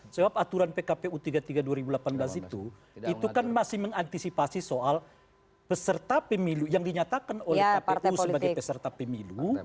sebab aturan pkpu tiga puluh tiga dua ribu delapan belas itu itu kan masih mengantisipasi soal peserta pemilu yang dinyatakan oleh kpu sebagai peserta pemilu